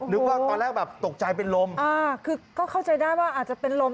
ว่าตอนแรกแบบตกใจเป็นลมอ่าคือก็เข้าใจได้ว่าอาจจะเป็นลม